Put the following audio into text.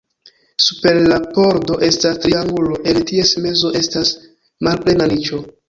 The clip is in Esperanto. Super la pordo estas triangulo, en ties mezo estas malplena niĉo.